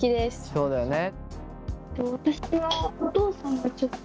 そうだよね。